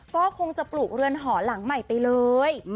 ก็คงจะปลูกเรือนหอหลังใหม่ไปเลย